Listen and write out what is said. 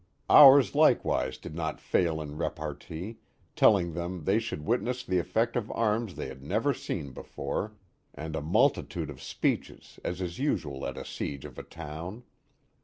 Ours, likewise, did not fail in repartee, telling them they should witness the effect of arms they had never seen before, and a multitude of speeches as is usual at a siege of a town.